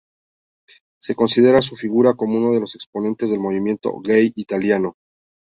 Se considera su figura como uno de los exponentes del movimiento gay italiano.